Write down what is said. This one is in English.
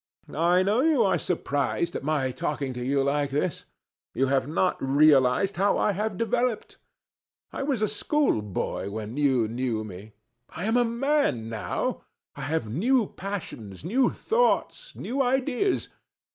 I know you are surprised at my talking to you like this. You have not realized how I have developed. I was a schoolboy when you knew me. I am a man now. I have new passions, new thoughts, new ideas.